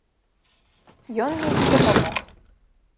Ён мне і дапамог.